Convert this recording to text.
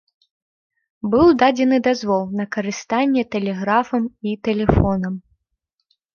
Быў дадзены дазвол на карыстанне тэлеграфам і тэлефонам.